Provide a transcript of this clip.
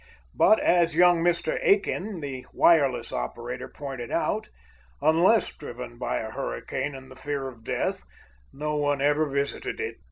But, as young Mr. Aiken, the wireless operator, pointed out, unless driven by a hurricane and the fear of death, no one ever visited it.